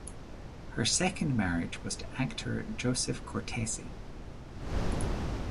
Her second marriage was to actor Joseph Cortese.